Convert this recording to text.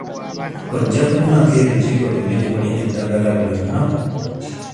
Ojja kunywako ebijiiko bibiri ku lino eddagala buli lunaku.